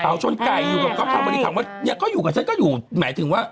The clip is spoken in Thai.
เขาชนไก่อยู่กับครอบครัวบริษัทเขาอยู่กับฉันก็อยู่หมายถึงว่า